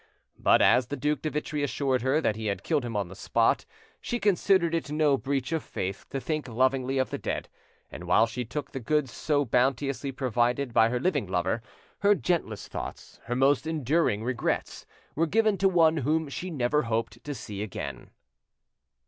But as the Due de Vitry assured her that he had killed him on the spot, she considered it no breach of faith to think lovingly of the dead, and while she took the goods so bounteously provided by her living lover, her gentlest thoughts, her most enduring regrets, were given to one whom she never hoped to see again.